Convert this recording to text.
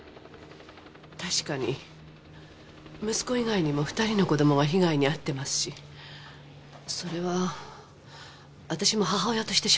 確かに息子以外にも２人の子どもが被害に遭ってますしそれは私も母親としてショックです。